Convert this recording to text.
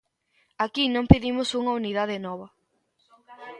Aquí non pedimos unha unidade nova.